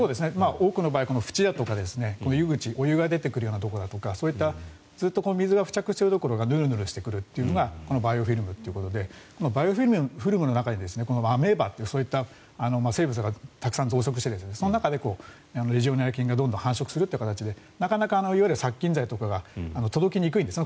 多くの場合、縁だとか湯口お湯が出てくるようなところだとかずっと水が付着しているところがヌルヌルしてくるということがバイオフィルムということでバイオフィルムの中にアメーバといったそういった生物がたくさん増殖してその中でレジオネラ菌がどんどん繁殖するという形でなかなか、いわゆる殺菌剤とかが届きにくいんですね。